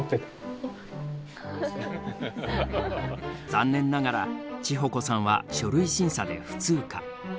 残念ながら智穂子さんは書類審査で不通過。